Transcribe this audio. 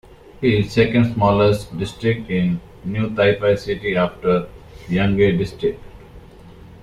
It is the second smallest district in New Taipei City after Yonghe District.